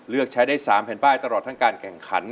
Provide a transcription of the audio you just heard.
เลือกใช้ได้๓แผ่นป้ายตลอดทั้งการแข่งขัน